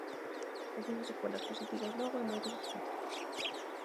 E tivo secuelas positivas logo en moitos aspectos.